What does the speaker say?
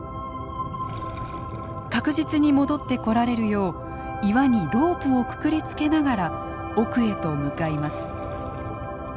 確実に戻ってこられるよう岩にロープをくくりつけながら奥へと向かいます。